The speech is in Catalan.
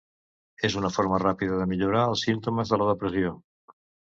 És una forma ràpida de millorar els símptomes de la depressió.